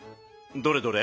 どれどれ？